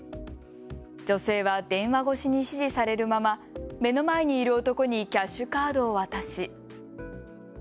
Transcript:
女性は電話越しに指示されるまま目の前にいる男にキャッシュカードを渡し。